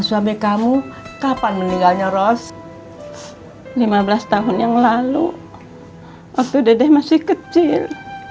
sanya mungkin karena hewan hai yang k